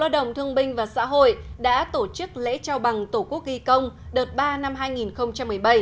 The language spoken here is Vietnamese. đồng thương binh và xã hội đã tổ chức lễ trao bằng tổ quốc ghi công đợt ba năm hai nghìn một mươi bảy